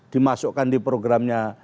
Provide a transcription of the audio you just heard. dimasukkan di programnya